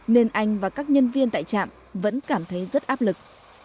nên anh và các nhân viên tại trạm vẫn cảm thấy rất áp lực